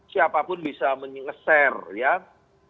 siapapun bisa menyesuaikan